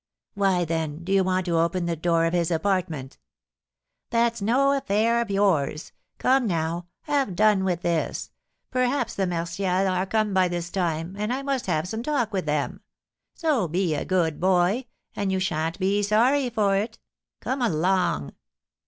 "Why, then, do you want to open the door of his apartment?" "That's no affair of yours. Come, now, have done with this. Perhaps the Martials are come by this time, and I must have some talk with them. So be a good boy, and you sha'n't be sorry for it. Come along."